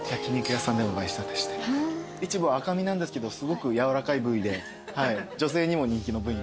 イチボ赤身なんですけどすごくやわらかい部位で女性にも人気の部位に。